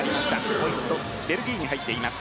ポイントはベルギーに入っています。